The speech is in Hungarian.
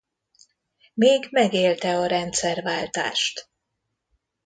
Még megélte a rendszerváltást.